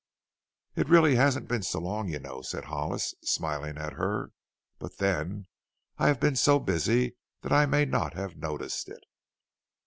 "It hasn't really been so long, you know," said Hollis, smiling at her. "But then, I have been so busy that I may not have noticed it."